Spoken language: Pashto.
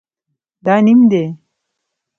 دا نیم دی